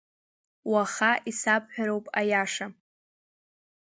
Уаха исабҳәароуп аиаша!